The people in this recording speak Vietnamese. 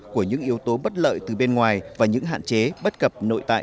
của những yếu tố bất lợi từ bên ngoài và những hạn chế bất cập nội tại